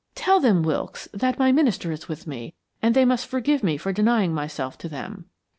Tell them, Wilkes, that my minister is with me, and they must forgive me for denying myself to them."